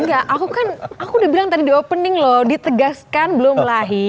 enggak aku kan aku udah bilang tadi di opening loh ditegaskan belum lahir